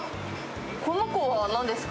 この子は何ですか？